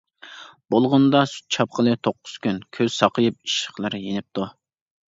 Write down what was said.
بولغىنىدا سۈت چاپقىلى توققۇز كۈن، كۆز ساقىيىپ ئىششىقلىرى يېنىپتۇ.